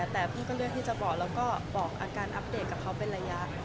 แต่พี่ก็เลือกที่จะบอกแล้วก็บอกอาการอัปเดตกับเขาเป็นระยะ